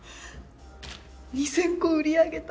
２０００個売り上げた。